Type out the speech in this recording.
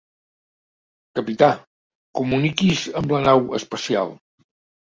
Capità, comuniqui's amb la nau espacial.